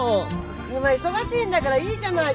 今忙しいんだからいいじゃない！